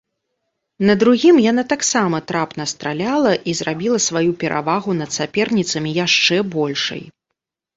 На другім яна таксама трапна страляла і зрабіла сваю перавагу над саперніцамі яшчэ большай.